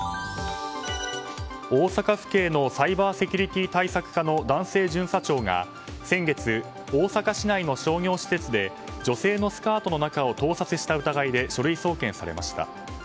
大阪府警のサイバーセキュリティー対策課の男性巡査長が先月、大阪市内の商業施設で女性のスカートの中を盗撮した疑いで書類送検されました。